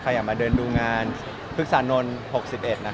ใครอยากมาเดินดูงานภุษานนนทรรภ๖๑